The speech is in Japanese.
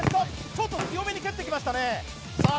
ちょっと強めに蹴ってきましたねさあ